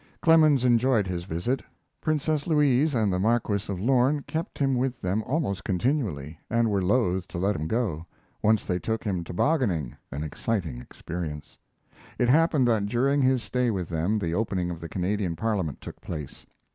Clemens enjoyed his visit. Princess Louise and the Marquis of Lorne kept him with them almost continually, and were loath to let him go. Once they took him tobogganing an exciting experience. It happened that during his stay with them the opening of the Canadian Parliament took place.